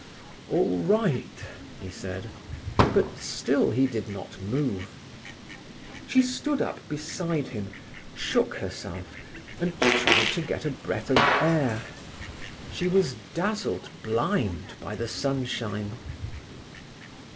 "All right," he said, but still he did not move. She stood up beside him, shook herself, and tried to get a breath of air. She was dazzled blind by the sunshine.